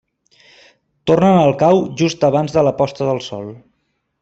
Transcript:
Tornen al cau just abans de la posta del sol.